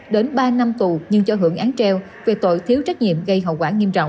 đến ba năm tù nhưng cho hưởng án treo về tội thiếu trách nhiệm gây hậu quả nghiêm trọng